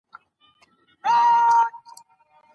د خطاګانو کفاره بايد په سمه توګه ادا کړئ.